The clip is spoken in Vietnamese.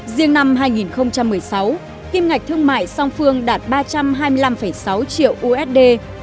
riêng năm hai nghìn một mươi sáu kim ngạch thương mại song phương đạt ba trăm hai mươi năm sáu triệu usd